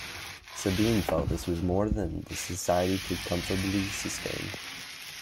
Sabine felt this was more than the Society could comfortably sustain.